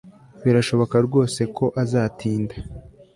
Birashoboka rwose ko azatinda